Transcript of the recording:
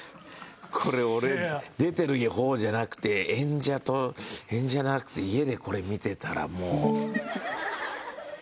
これ俺出てる方じゃなくて演者と演者じゃなくて家でこれ見てたらもう。